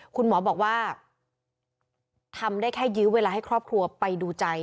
คุณหมอบอกว่าทำได้แค่ยื้อเวลาให้ครอบครัวไปดูใจ